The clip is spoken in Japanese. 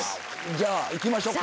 じゃあいきましょうか。